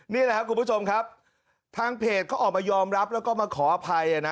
นี่แหละครับคุณผู้ชมครับทางเพจเขาออกมายอมรับแล้วก็มาขออภัยนะ